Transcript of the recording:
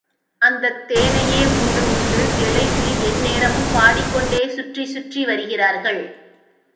அந்தத் தேனையே உண்டு உண்டு திளைத்து எந்நேரமும் பாடிக்கொண்டே சுற்றிச் சுற்றி வருகிறார்கள்.